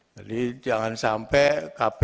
jadi jangan sampai kpk